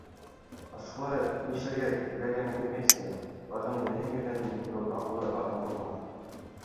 Башҡалары нишләргә теләгәнен белмәйсә, уларҙың береһен генә дөмөктөрөү аҡыллы аҙым булмаҫ.